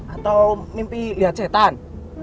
atau mimpi liat setan